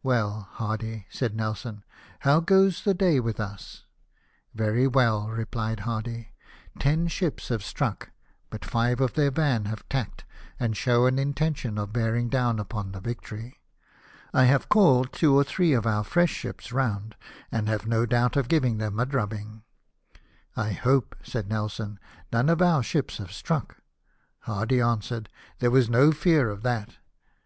'' Well, Hardy," said Nelson, " how goes the day with us ?"" Very well," replied Hardy ;'' ten ships have struck, but five of their van have tacked, and show an intention of bearing down upon the Victory. I have called two or three of our fresh ships round, and have no doubt of giving them a drubbmg." " I hope," said Nelson, " none of our ships have struck ?" Hardy answered, " There was no fear of that."